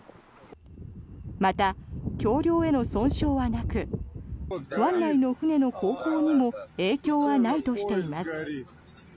また、橋りょうへの損傷はなく湾内の船の航行にも影響はないとしています。